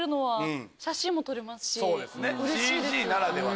うれしいです。